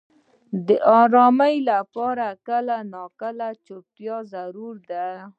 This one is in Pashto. • د آرامۍ لپاره کله ناکله چوپتیا ضروري ده.